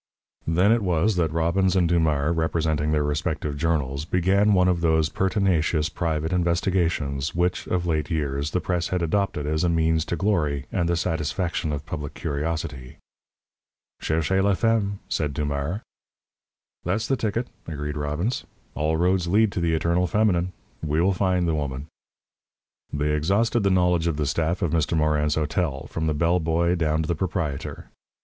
Then it was that Robbins and Dumars, representing their respective journals, began one of those pertinacious private investigations which, of late years, the press has adopted as a means to glory and the satisfaction of public curiosity. "Cherchez la femme," said Dumars. "That's the ticket!" agreed Robbins. "All roads lead to the eternal feminine. We will find the woman." They exhausted the knowledge of the staff of Mr. Morin's hotel, from the bell boy down to the proprietor.